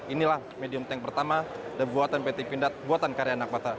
inilah medium tank pertama buatan pt pindad buatan karya anak bata